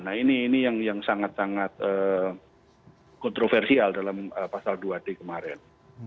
nah ini yang sangat sangat kontroversial dalam pasal dua d kemarin